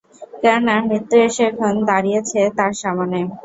কেননা, মৃত্যু এসে এখন দাঁড়িয়েছে তার সামনে।